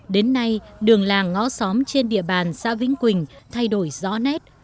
đến nay đường làng ngõ xóm trên địa bàn xã vĩnh quỳnh thay đổi rõ nét